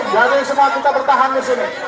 jadi semua kita bertahan disini